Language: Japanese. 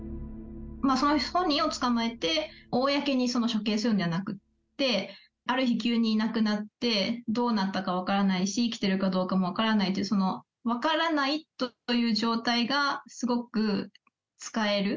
その本人を捕まえて、公に処刑するのではなくって、ある日、急にいなくなってどうなったか分からないし、生きているかどうかも分からないという、その分からないという状態がすごく使える。